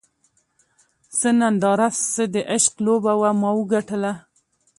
څه ننداره څه د عشق لوبه وه ما وګټله